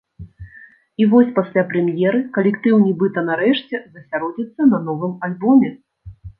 І вось пасля прэм'еры калектыў нібыта нарэшце засяродзіцца на новым альбоме.